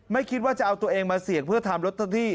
ไม่คิดว่าจะเอาตัวเองมาเสี่ยงเพื่อทำลอตเตอรี่